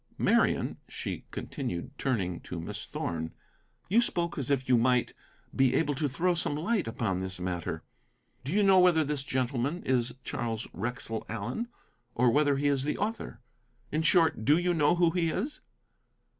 Marian," she continued, turning to Miss Thorn, "you spoke as if you might, be able to throw some light upon this matter. Do you know whether this gentleman is Charles Wrexell Allen, or whether he is the author? In short, do you know who he is?"